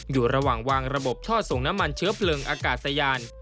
อยู่ระหว่างวางระบบท่อส่งน้ำมันเชื้อเพลิงอากาศยาน